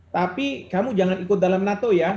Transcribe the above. tapi kamu jangan ikut dalam nato ya